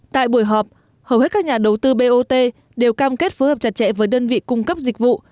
tại buổi họp hầu hết các nhà đầu tư bot đều cam kết phối hợp chặt chẽ với đơn vị cung cấp dịch vụ